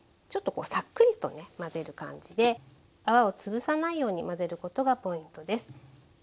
ちょっとこうさっくりと混ぜる感じで泡をつぶさないように混ぜることがポイントです。